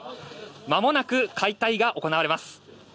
まもなく解体が行われます。